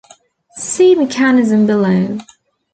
See mechanism below.